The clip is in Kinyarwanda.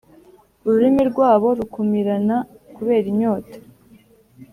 ururimi rwabo rukumirana kubera inyota;